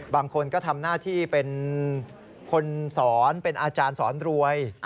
บางคนก็ทำหน้าที่เป็นคนสอนเป็นอาจารย์สอนรวย